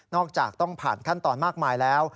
จากต้องผ่านขั้นตอนมากมายแล้ว